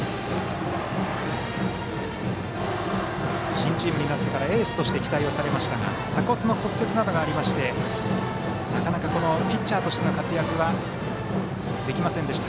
新チームになってからエースとして期待をされましたが鎖骨の骨折などがありましてなかなか、ピッチャーとしての活躍はできませんでした。